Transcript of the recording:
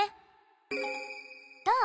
どう？